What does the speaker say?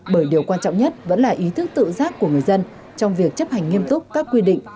bởi điều quan trọng nhất vẫn là ý thức tự giác của người dân trong việc chấp hành nghiêm túc các quy định